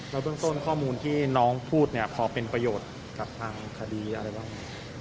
แล้วเบื้องต้นข้อมูลที่น้องพูดเนี่ยพอเป็นประโยชน์กับทางคดีอะไรบ้าง